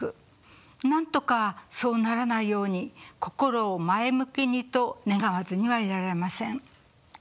なんとかそうならないように心を前向きにと願わずにはいられません。